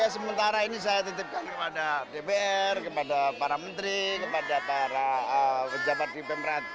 sementara ini saya titipkan kepada dpr kepada para menteri kepada para pejabat di pemrat